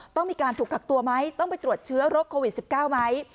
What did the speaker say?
ต้องมีการถูกกักตัวไหมต้องไปตรวจเชื้อโรคโควิด๑๙ไหม